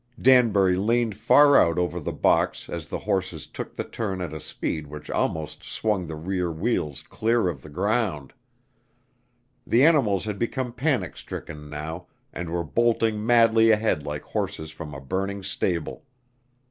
Danbury leaned far out over the box as the horses took the turn at a speed which almost swung the rear wheels clear of the ground. The animals had become panic stricken now and were bolting madly ahead like horses from a burning stable.